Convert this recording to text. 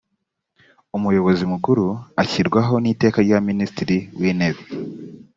umuyobozi mukuru ashyirwaho n’iteka rya minisitiri w’intebe